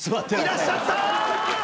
いらっしゃった！